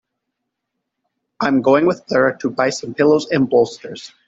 I'm going with Clara to buy some pillows and bolsters.